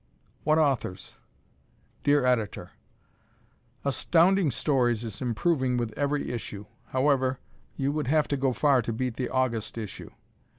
"What Authors!" Dear Editor: Astounding Stories is improving with every issue. However, you would have to go far to beat the August issue.